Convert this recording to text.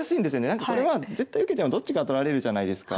なんかこれは絶対受けてもどっちかは取られるじゃないですか。